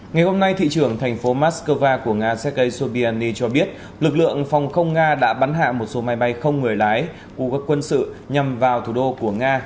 ngày hôm nay thị trưởng thành phố moscow của nga sergei sobyani cho biết lực lượng phòng không nga đã bắn hạ một số máy bay không người lái của quân sự nhằm vào thủ đô của nga